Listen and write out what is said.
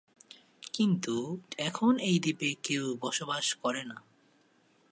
কিন্তু এখন এই দ্বীপে কেউ বসবাস করে না।